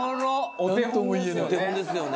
お手本ですよね。